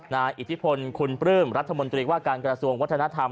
อิทธิพลคุณปลื้มรัฐมนตรีว่าการกระทรวงวัฒนธรรม